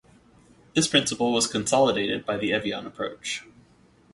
This principle was consolidated by the Evian Approach.